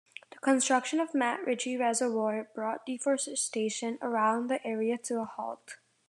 The construction of MacRitchie Reservoir brought deforestation around the area to a halt.